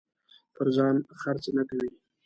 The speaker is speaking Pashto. پر ځان خرڅ نه کوي.